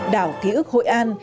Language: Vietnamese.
đảo ký ức hội an